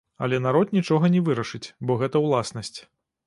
Але народ нічога не вырашыць, бо гэта ўласнасць.